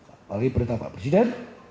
apalagi perintah pak presiden